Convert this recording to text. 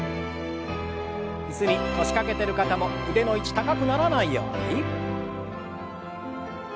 椅子に腰掛けてる方も腕の位置高くならないように。